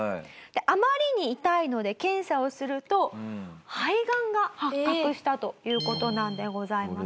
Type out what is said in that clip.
あまりに痛いので検査をすると肺ガンが発覚したという事なんでございます。